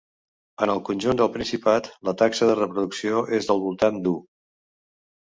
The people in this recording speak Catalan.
En el conjunt del Principat, la taxa de reproducció és del voltant d’u.